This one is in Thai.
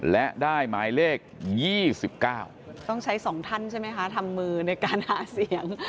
และได้หมายเลข๒๙ต้องใช้๒ท่านใช่ไหมคะทำมือในการหาเสียง